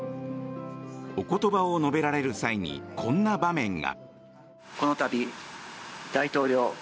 お言葉を述べられる際にこんな場面が。